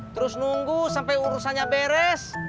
terus nunggu sampai urusannya beres